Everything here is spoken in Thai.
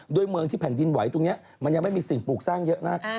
เมืองที่แผ่นดินไหวตรงนี้มันยังไม่มีสิ่งปลูกสร้างเยอะมาก